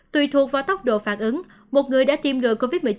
tùy thuộc vào tốc độ phản ứng một người đã tiêm ngừa covid một mươi chín